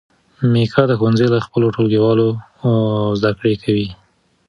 میکا د ښوونځي له خپلو ټولګیوالو زده کړې کوي.